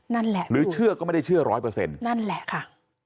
นั่นแหละหรือเชื่อก็ไม่ได้เชื่อร้อยเปอร์เซ็นต์นั่นแหละค่ะ